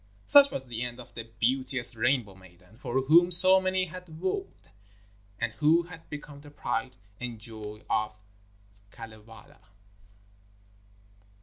Such was the end of the beauteous Rainbow maiden, for whom so many had wooed, and who had become the pride and joy of Kalevala.